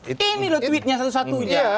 ini loh tweetnya satu satunya